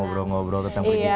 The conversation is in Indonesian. ngobrol ngobrol tetap bergitanya